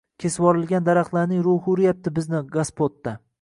Kesvorilgan daraxtlarni ruhi uryapti bizni gospoda!